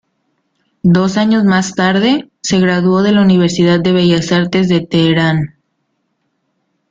Dos años más tarde, se graduó de la universidad de bellas artes de Teherán.